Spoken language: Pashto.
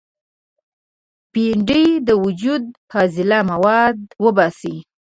بېنډۍ د وجود فاضله مواد وباسي